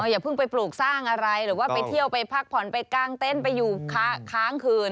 อย่าเพิ่งไปปลูกสร้างอะไรหรือว่าไปเที่ยวไปพักผ่อนไปกางเต้นไปอยู่ค้างคืน